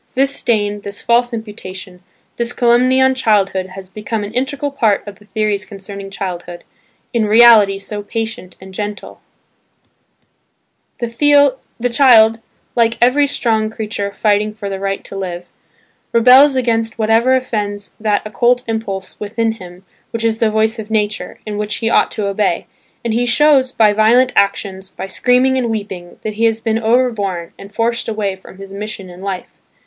This stain, this false imputation, this calumny on childhood has become an integral part of the theories concerning childhood, in reality so patient and gentle. The child, like every strong creature fighting for the right to live, rebels against whatever offends that occult impulse within him which is the voice of nature, and which he ought to obey; and he shows by violent actions, by screaming and weeping that he has been overborne and forced away from his mission in life.